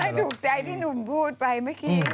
ก็ให้ถูกใจที่หนุ่มพูดไปเมื่อกี้ถึงไง